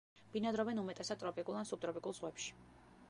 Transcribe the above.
ბინადრობენ უმეტესად ტროპიკულ ან სუბტროპიკულ ზღვებში.